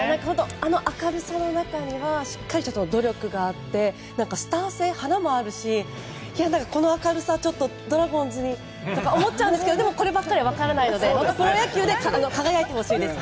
あの明るさの中にはしっかり努力があってスター性、華もあるしこの明るさをドラゴンズにと思っちゃうんですがでもこればかりは分からないのでプロ野球で輝いてほしいです。